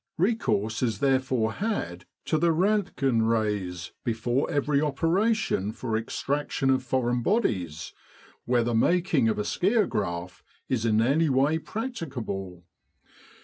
Recourse is therefore had to the Rontgen Rays before every operation for extraction of foreign bodies, where the making of a skiagraph is in any way practicable.